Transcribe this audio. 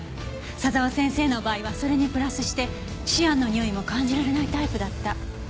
佐沢先生の場合はそれにプラスしてシアンのにおいも感じられないタイプだった。